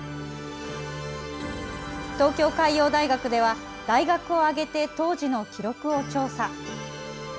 東京海洋大学では大学を挙げて当時の記録を調査。